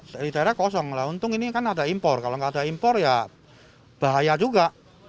dari daerah kosong lah untung ini kan ada impor kalau nggak ada impor ya bahaya juga